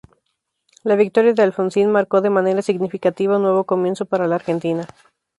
La victoria de Alfonsín marcó de manera significativa un nuevo comienzo para la Argentina.